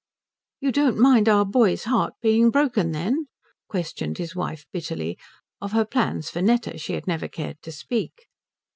"You don't mind our boy's heart being broken, then?" questioned his wife bitterly; of her plans for Netta she had never cared to speak.